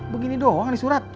begini doang nih surat